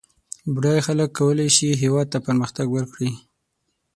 بډای خلک کولای سي هېواد ته پرمختګ ورکړي